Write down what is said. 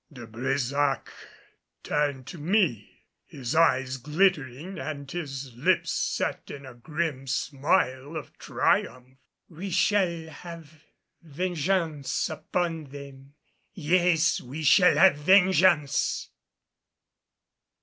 De Brésac turned to me, his eyes glittering and his lips set in a grim smile of triumph. "We shall have vengeance upon them, yes, we shall have vengeance!"